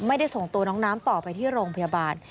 ไม่ได้ส่งตัวน้องน้ำต่อไปที่โรงพยาบาล